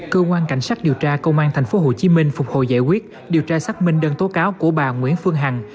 cơ quan cảnh sát điều tra công an tp hcm phục hồi giải quyết điều tra xác minh đơn tố cáo của bà nguyễn phương hằng